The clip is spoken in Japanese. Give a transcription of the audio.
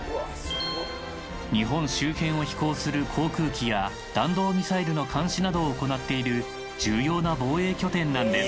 日本周辺を飛行する航空機や弾道ミサイルの監視などを行っている重要な防衛拠点なんです。